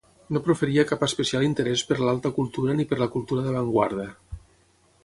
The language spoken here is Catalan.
No proferia cap especial interès per l'alta cultura ni per la cultura d'avantguarda.